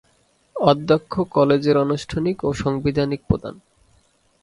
অধ্যক্ষ কলেজের আনুষ্ঠানিক ও সাংবিধানিক প্রধান।